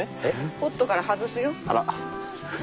ポットから外すよ。